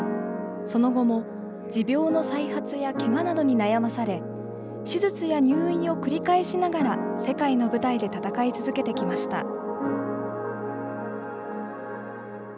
その後も持病の再発やけがなどに悩まされ、手術や入院を繰り返しながら、世界の舞台で戦い続けてきました。